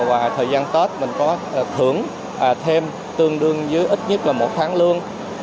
và thời gian tết mình có thưởng thêm tương đương với ít nhất là một tháng lương